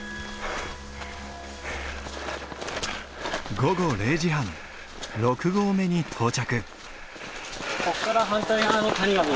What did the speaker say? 午後０時半６合目に到着。